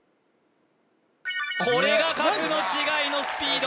これが格の違いのスピード